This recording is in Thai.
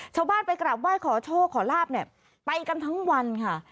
ชาวบ้านไปกราบไหว้ขอโชคขอลาบเนี่ยไปกันทั้งวันค่ะ